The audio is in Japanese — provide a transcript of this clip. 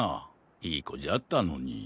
いいこじゃったのに。